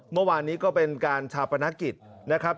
เมื่อวานนี้ก็เป็นการชาปนกิจนะครับ